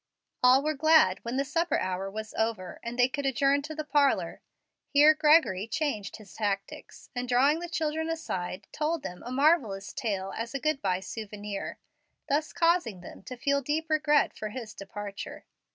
All were glad when he supper hour was over and they could adjourn to the parlor. Here Gregory changed his tactics, and drawing the children aside, told them a marvellous tale as a good by souvenir, thus causing them to feel deep regret for his departure.